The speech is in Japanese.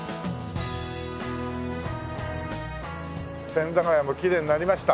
千駄ヶ谷もきれいになりました。